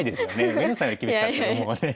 上野さんより厳しかったらもうね。